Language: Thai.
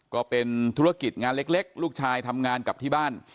ก็เป็นธุรกิจงานเล็กลูกชายทำงานกลับที่บ้าน